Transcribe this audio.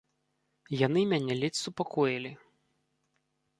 Яны мяне ледзь супакоілі.